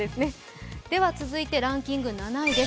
続いてランキング７位です。